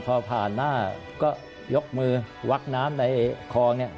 พอผ่านหน้าก็ยกมือวักน้ำในคลองเนี่ย